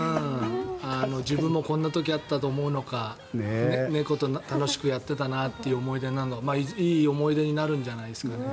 自分もこんな時があったと思うのか猫と楽しくやってたなという思い出いい思い出になるんじゃないですかね。